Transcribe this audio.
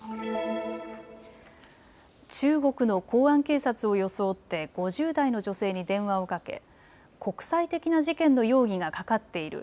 中国の公安警察を装って５０代の女性に電話をかけ国際的な事件の容疑がかかっている。